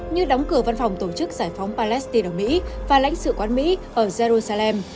như đóng cửa văn phòng tổ chức giải phóng palestine ở mỹ và lãnh sự quán mỹ ở jerusalem